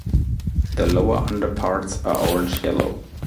The lower underparts are orange-yellow.